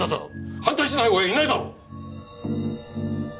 反対しない親はいないだろ！